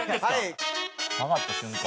「下がった瞬間」